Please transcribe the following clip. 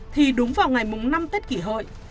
thì đúng vào ngày năm tết kỷ hội